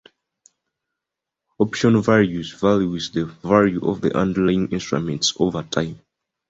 Option values vary with the value of the underlying instrument over time.